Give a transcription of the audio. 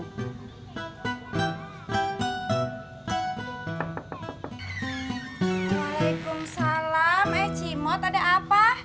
waalaikumsalam ya cimot ada apa